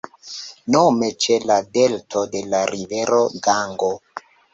Nome ĉe la delto de la rivero Gango.